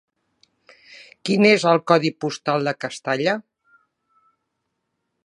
Quin és el codi postal de Castalla?